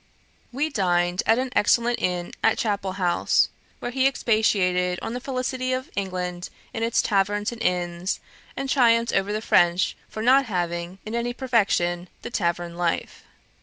We dined at an excellent inn at Chapel house, where he expatiated on the felicity of England in its taverns and inns, and triumphed over the French for not having, in any perfection, the tavern life.